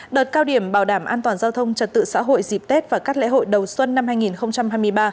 đợt cao điểm bảo đảm an toàn giao thông trật tự xã hội dịp tết và các lễ hội đầu xuân năm hai nghìn hai mươi ba